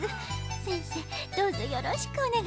せんせいどうぞよろしくおねがいいたします。